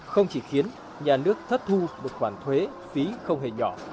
không chỉ khiến nhà nước thất thu một khoản thuế phí không hề nhỏ